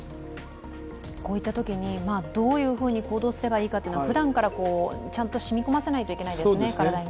こういったときに、どういうふうに行動したらいいかふだんからちゃんとしみ込ませないといけないですね、体に。